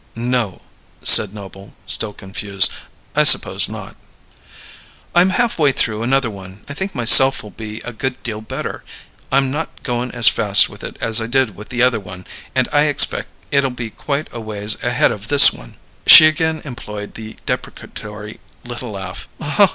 "No," said Noble, still confused. "I suppose not." "I'm half way through another one I think myself'll be a good deal better. I'm not goin' as fast with it as I did with the other one, and I expect it'll be quite a ways ahead of this one." She again employed the deprecatory little laugh.